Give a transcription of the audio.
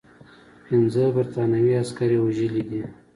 پنځه برټانوي عسکر یې وژلي دي.